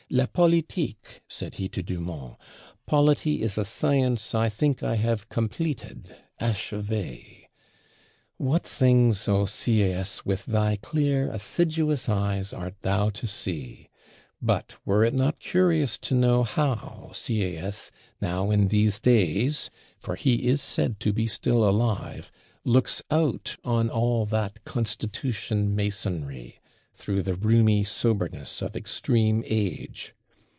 "La Politique", said he to Dumont, "polity is a science I think I have completed (achevée)." What things, O Sieyès, with thy clear assiduous eyes, art thou to see! But were it not curious to know how Sieyès, now in these days (for he is said to be still alive) looks out on all that Constitution masonry, through the rheumy soberness of extreme age?